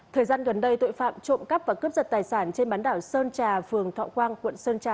thời gian gần đây tội phạm trộm cắp và cướp giật tài sản trên bán đảo sơn trà phường thọ quang quận sơn trà